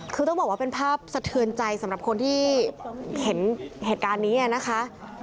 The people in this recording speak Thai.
คือต้องบอกว่าเป็นภาพสะเทือนใจสำหรับคนที่เห็นเหตุการณ์นี้นะคะ